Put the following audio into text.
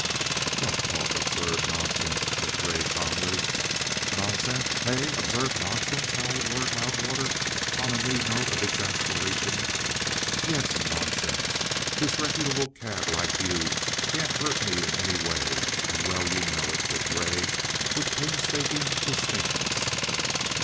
"Don't talk absurd nonsense!" said Grey calmly. "Nonsense? Hey? Absurd nonsense?" howled Lord Loudwater on a new note of exasperation. "Yes, nonsense. A disreputable cad like you can't hurt me in any way, and well you know it," said Grey with painstaking distinctness.